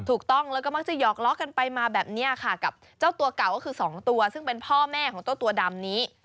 ถูกต้องแล้วก็มักจะหอกล้อกันไปมาแบบนี้ค่ะกับเจ้าตัวเก่าก็คือสองตัวซึ่งเป็นพ่อแม่ของเจ้าตัวดำนี้